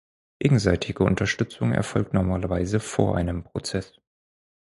Gegenseitige Unterstützung erfolgt normalerweise vor einem Prozess.